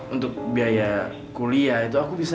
untuk biaya kuliah itu aku bisa